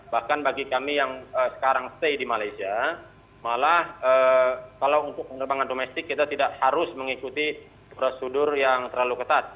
bahkan bagi kami yang sekarang stay di malaysia malah kalau untuk penerbangan domestik kita tidak harus mengikuti prosedur yang terlalu ketat